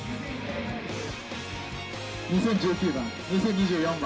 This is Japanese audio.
２０１９番、２０２４番。